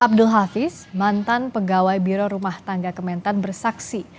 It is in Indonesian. abdul hafiz mantan pegawai biro rumah tangga kementan bersaksi